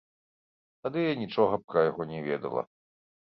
Тады я нічога пра яго не ведала.